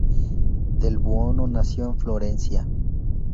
Del Buono nació en Florencia.